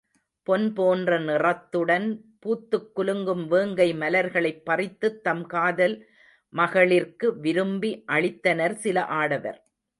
பொன்போன்ற நிறத்துடன் பூத்துக் குலுங்கும் வேங்கை மலர்களைப் பறித்துத் தம் காதல் மகளிர்க்கு விரும்பி அளித்தனர் சில ஆடவர்.